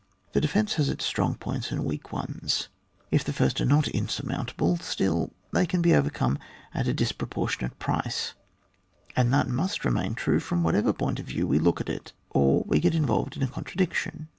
The defeace has its strong points and weak ones ; if the first are even not unsurmountable, still they can only be overcome at a dis proportionate price, and that must re main true from whatever point of view we look at it, or we get involved in a contradiction.